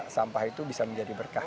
sampah itu bisa menjadi berkah